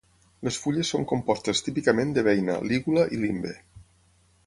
Les fulles són compostes típicament de beina, lígula i limbe.